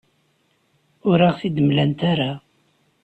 Ur aɣ-t-id-mlant ara.